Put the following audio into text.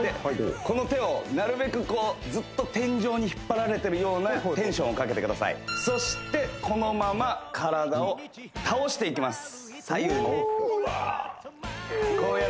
この手をなるべくこうずっと天井に引っ張られてるようなテンションをかけてくださいそしてこのまま体を倒していきます